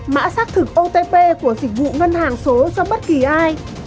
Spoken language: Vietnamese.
mã xác thực otp của dịch vụ ngân hàng số cho bất kỳ ai